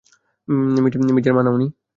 মির্জার মা না উনি?